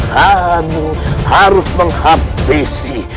kamu harus menghabisi